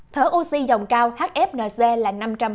thở oxy dòng cao hfnc là năm trăm hai mươi bảy